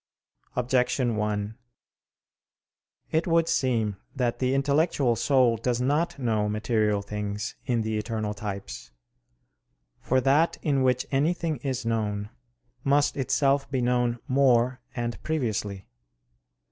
Objection 1: It would seem that the intellectual soul does not know material things in the eternal types. For that in which anything is known must itself be known more and previously.